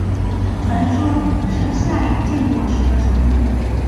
传说是夏禹建国时的首都。